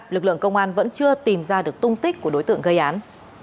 lực lượng công an vẫn chưa tìm ra được tung tích của đối tượng gây án